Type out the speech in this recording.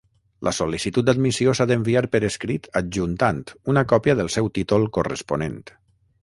La sol·licitud d'admissió s'ha d'enviar per escrit adjuntant una còpia del seu títol corresponent.